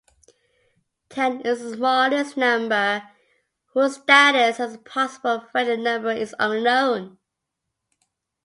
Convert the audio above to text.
Ten is the smallest number whose status as a possible friendly number is unknown.